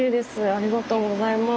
ありがとうございます。